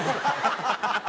ハハハハ！